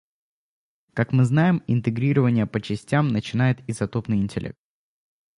Как мы уже знаем, интегрирование по частям начинает изотопный интеллект.